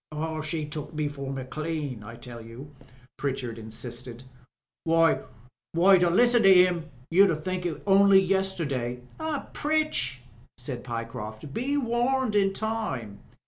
"She took me for Maclean, I tell you," Pritchard insisted. "Why — ^why — ^to listen to him you wouldn't think that only yesterday ^" "Pritch," sidd Pyecroft, "be warned in time.